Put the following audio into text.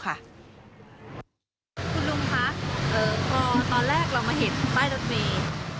คุณลุงคะพอตอนแรกเรามาเห็นป้ายรถเมย์